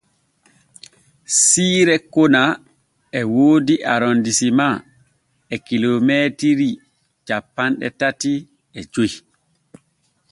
Siire kona e woodi Arondisema e kilomeetiri cappanɗe tati e joy.